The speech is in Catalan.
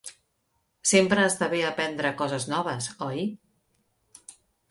Sempre està bé aprendre coses noves, oi?